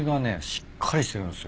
しっかりしてるんすよ。